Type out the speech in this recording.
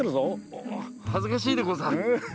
おお恥ずかしいでござる。